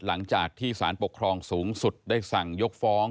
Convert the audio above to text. หลังจากที่สารปกครองสูงสุดได้สั่งยกฟ้อง